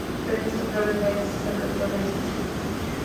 Ernesto Flores Gallo es el rector del Centro.